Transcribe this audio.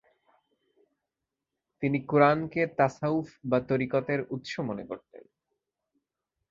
তিনি কুরআনকে তাসাউফ বা তরিকতের উৎস মনে করতেন।